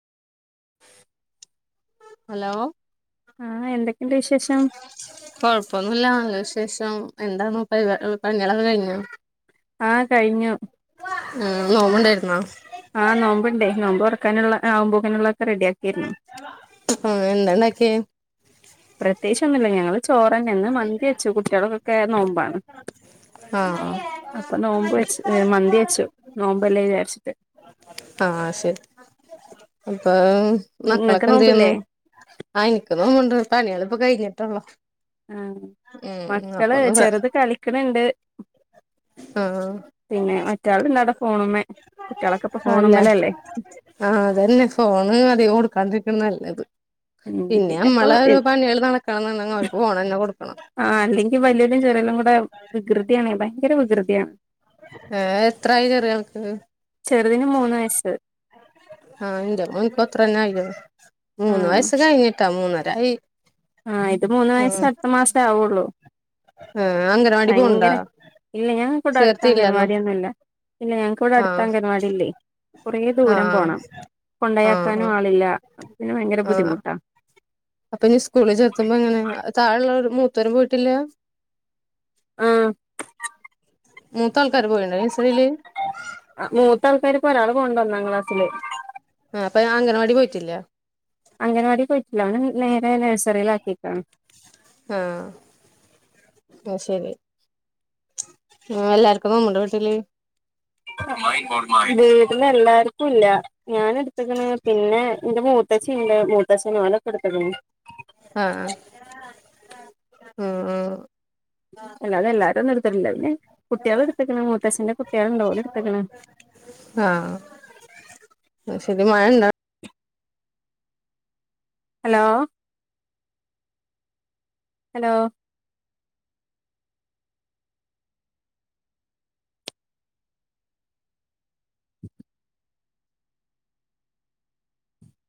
[inaudible] Hello. ആഹ് എന്തക്കെയുണ്ട് വിശേഷം? കൊഴപ്പൊന്നുല്ല നല്ല വിശേഷം എന്താന്ന് പണി പണികളൊക്കെ കഴിഞ്ഞേ? ആഹ് കഴിഞ്ഞു. ആഹ് നോമ്പ്ണ്ടായിരുന്നോ? ആഹ് നോമ്പുണ്ടേ നോമ്പ് ഉറക്കാനുള്ള ആവുമ്പോക്കിന്ള്ള ഒക്കെ റെഡിയ ആക്കായിരുന്നു. ആഹ് എന്താണ്ടാക്കിയ്? പ്രത്യകിച്ചൊന്നുല്ല ഞങ്ങള്. ചോറന്നെ ഇന്ന് മന്തി വച്ചു കുട്ടിൾക്കൊക്കെ നോമ്പാണ്. ആഹ് അപ്പൊ നോമ്പ് വെച്ച് മന്തി വച്ചു നോമ്പല്ലെ വിചാരിച്ചിട്ട്. ആഹ് ശരി അപ്പോ നിങ്ങക്ക് മക്കളൊക്കെ എന്ത് നോമ്പില്ലേ ചെയ്യുന്നു? ആഹ് എനിക്ക് നോമ്പ്ണ്ട് പണിയള് ഇപ്പോ കഴിഞ്ഞിട്ടള്ളു. ആഹ് മക്കള് പ്ര ചെറുത് കളിക്കണണ്ട്. ആഹ് പിന്നെ മറ്റാൾ ന്താട ഫോണ് മ്മ കുട്ടികളൊക്കെ ഇപ്പൊ ഫോണ് അല്ല മ്മലല്ലേ. ആഹ് അതന്നെ ഫോണ് അതിക കൊടുക്കാണ്ടിരിക്കുന്ന നല്ലത്. ഉം പിന്നെ ഇപ്പൊ നമ്മള് ഒരു പണികള് നടക്കണം എന്നുണ്ടെങ്കിൽ അവർക്ക് ഫോണ്ന്നെ കൊടുക്കണം. ആഹ് അല്ലെങ്കിൽ വലൃയലും ചെറിയലും കൂടെ വികൃതിയണ് ഭയങ്കര വികൃതിയാണ്. ഏ എത്രായി ചെറിയോന്ക്ക്? ചെറുതിന് മൂന്ന് വയസ്സ് ആഹ് എന്റെ മോന്ക്ക്ത്ര തന്നെ ആയി മൂന്ന് ആഹ് വയസ് കഴിഞ്ഞിട്ടോ മൂന്നരായി. ആഹ് ഇത് മൂന്ന് വയസ്സ് ഉം അട്ത്ത മാസേ ആവുള്ളൂ. ആഹ് അങ്ഗലവാടീ പോവുണ്ടോ? ഭയങ്കര ഇല്ല ഞങ്ങക്ക്ടെ അട്ത്ത അംഗൻവാടിയൊന്നുല്ല ഇല്ല ഞങ്ങക്കിവിടെ അടുത്ത ആഹ് അംഗൻവാടി ഇല്ലേ. കെറെ ദൂരം ആഹ് പോണം ആഹ് ആഹ് കൊണ്ടയാക്കാനും ആളില്ല അപ്പം പിന്നെ ഭയങ്കര ബുദ്ധിമുട്ടാ. അപ്പോ ഞ് സ്കൂളിൽ ചേർത്തുമ്പോ എങ്ങനെ താഴെള്ളോര് മൂത്തോര് പോയിട്ടില്ല. ആഹ്. മൂത്ത ആൾക്കാര് പോയിണ് നെഴ്സറീല്. മൂത്ത ആൾക്കാര് ഇപ്പോ ഒരാൾ പോവ്ണ്ട് ഒന്നാം ക്ലാസ്സില്. ആഹ് അപ്പൊ അംഗൻവാടി പോയിട്ടില്ല. അംഗൻവാടി പോയിട്ടില്ല അവനെ നേരെ നഴ്സറിൽ ആക്കിക്ക്ണ്. ആഹ്. ആത് ശരി ആഹ് എല്ലാർക്കും നമ്മുടെ വീട്ടില്. വീട്ന്ന് എല്ലാർക്കും ഇല്ല. ഞാൻ എട്ത്ത്ക്ക്ണ് പിന്നെ എന്റെ മൂത്തച്ചിണ്ട് മൂത്തച്ച നോലൊക്കെ എടുത്ത്ക്ക്ണ്. ആഹ് അഹ് ആഹ് ആഹ്. അല്ലാതെ എല്ലാരും ഒന്നും എട്ത്തിട്ടില്ല പിന്നെ കുട്ടിള് എടുത്ത്ക്ക്ണ് മൂത്തച്ചന്റെ കുട്ടിള് ഉണ്ട് ഓല് എട്ത്ത്ക്ക്ണ്. ആഹ് അത് ശരി മയണ്ടോ? ഹലോ. ഹലോ. [inaudible]